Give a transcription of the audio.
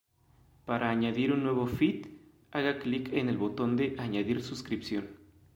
Para añadir un nuevo feed, haga clic en el botón de "Añadir suscripción".